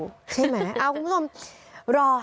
ใช่ไหมเอาคุณผู้ชมรอ